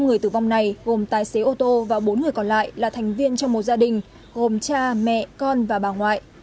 năm người tử vong này gồm tài xế ô tô và bốn người còn lại là thành viên trong một gia đình gồm cha mẹ con và bà ngoại